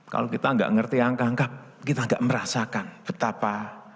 kalau kita nggak ngerti angka angka kita tidak merasakan betapa